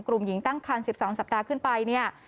กลุ่มหญิงตั้งคัน๑๒สัปดาห์ขึ้นไปเนี่ย